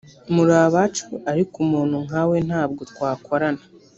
muri abacu ariko umuntu nkawe ntabwo twakorana